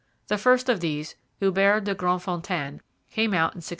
The first of these, Hubert de Grandfontaine, came out in 1670.